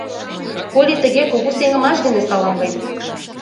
— Коли тыге, кугу сеҥымаш дене саламлем!